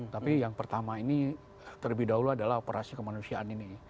tapi yang pertama ini terlebih dahulu adalah operasi kemanusiaan ini